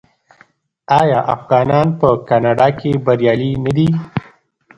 آیا افغانان په کاناډا کې بریالي نه دي؟